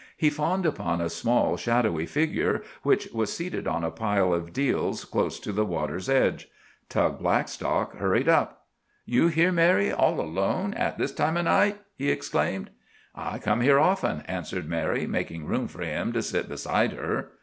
He fawned upon a small, shadowy figure which was seated on a pile of deals close to the water's edge. Tug Blackstock hurried up. "You here, Mary, all alone, at this time o' night!" he exclaimed. "I come here often," answered Mary, making room for him to sit beside her.